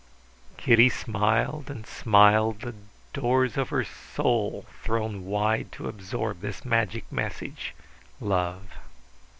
Kitty smiled and smiled, the doors of her soul thrown wide to absorb this magic message. Love.